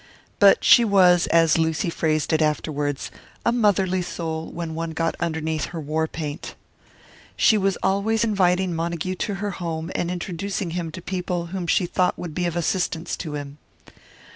But she was, as Lucy phrased it afterwards, "a motherly soul, when one got underneath her war paint." She was always inviting Montague to her home and introducing him to people whom she thought would be of assistance to him.